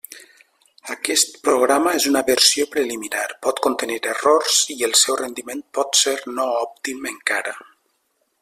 Aquest programa és una versió preliminar, pot contenir errors i el seu rendiment pot ser no òptim encara.